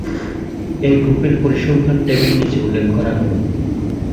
এই গ্রুপের পরিসংখ্যান টেবিল নিচে উল্লেখ করা হলো।